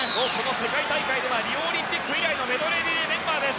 世界大会ではリオオリンピック以来のメドレーリレーメンバーです。